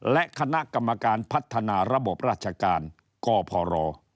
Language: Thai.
และคณะกรรมการพัฒนาระบบราชการกพร